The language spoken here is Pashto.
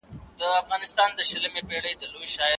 يو دوه دري څلور پنځه